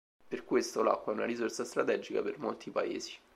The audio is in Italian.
Per questo l'acqua è una risorsa strategica per molti Paesi.